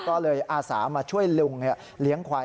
ก็เลยอาสามาช่วยลุงเลี้ยงควาย